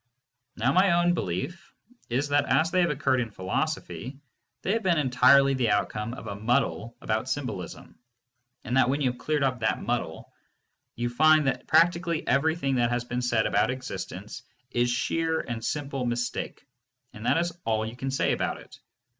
Now my own belief is that as they have occurred in philosophy, they have been entirely the outcome of a muddle about symbolism, and that when you have cleared up that muddle, you find that practically everything that has been said about existence is sheer and simple mistake, and that is all you can say about it.